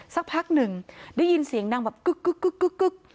สักพักหนึ่งได้ยินเสียงดังแบบกึ๊กกึ๊กกึ๊กกึ๊กกึ๊ก